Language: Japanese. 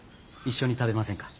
一緒に食べませんか。